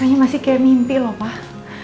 kayaknya masih kayak mimpi loh pak